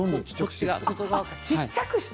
ちっちゃくして。